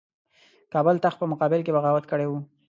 کابل تخت په مقابل کې بغاوت کړی وو.